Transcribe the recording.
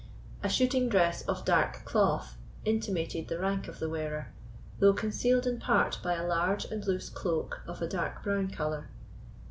A shooting dress of dark cloth intimated the rank of the wearer, though concealed in part by a large and loose cloak of a dark brown colour.